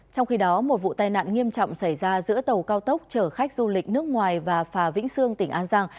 trong khi đó một vụ tai nạn nghiêm trọng xảy ra giữa tàu cao tốc chở khách du lịch nước ngoài và phà vĩnh sương tỉnh an giang